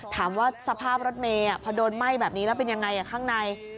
สภาพรถเมย์พอโดนไหม้แบบนี้แล้วเป็นยังไงข้างใน